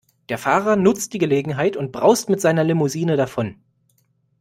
Der Fahrer nutzt die Gelegenheit und braust mit seiner Limousine davon.